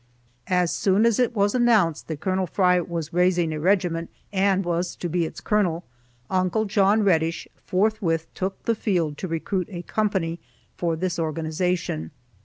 As soon as it was announced that Col. Fry was raising a regiment, and was to be its colonel, Uncle John Reddish forthwith took the field to recruit a company for this organization.